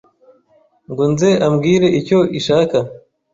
ngo nze ambwire icyo ishaka ,